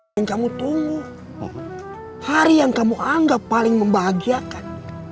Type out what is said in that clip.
yang kamu tunggu hari yang kamu anggap paling membahagiakan